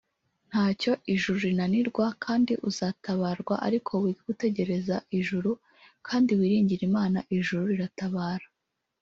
Ntacyo ijuru rinanirwa kandi uzatabarwa ariko wige gutegereza ijuru kandi wiringire Imana ijuru riratabara